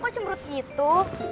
kok cemrut gitu